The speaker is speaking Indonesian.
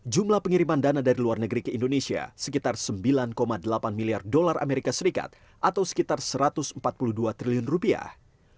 jumlah pengiriman dana dari luar negeri ke indonesia sekitar sembilan delapan miliar dolar amerika serikat atau sekitar satu ratus empat puluh dua triliun rupiah